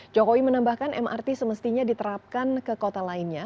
jokowi menambahkan mrt semestinya diterapkan ke kota lainnya